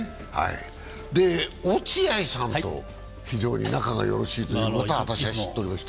落合さんと非常に仲がよろしいということも知ってました。